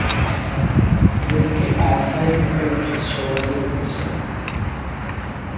Закӏгьи ъагӏасайымхӏвуаз джьасщауа сазхъвыцуан.